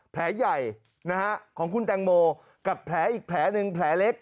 แผลใหญ่ของคุณแตงโมกับแผลอีกแผลหนึ่งแผลเล็ก